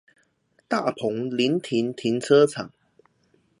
大鵬臨停停車場